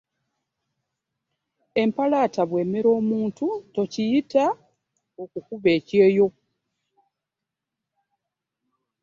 Empalata bwemera omuntu tokiyita okukuba ekyeyo .